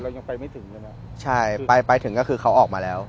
ยังไปไม่ถึงใช่ไหมใช่ไปไปถึงก็คือเขาออกมาแล้ว